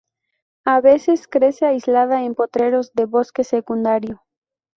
A veces crece aislada en potreros de bosque secundario.